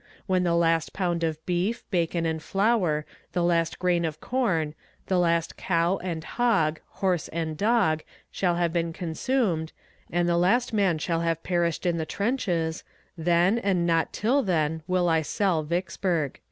When the last pound of beef, bacon and flour, the last grain of corn, the last cow and hog, horse and dog shall have been consumed, and the last man shall have perished in the trenches, then, and not till then, will I sell Vicksburg."